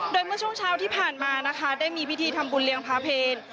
โดยเมื่อช่วงเช้าที่ผ่านมานะคะได้มีพิธีทำบุญเลี้ยงพาเพล